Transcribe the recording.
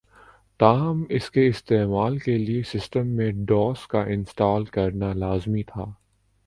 تاہم اس کے استعمال کے لئے سسٹم میں ڈوس کا انسٹال کرنا لازمی تھا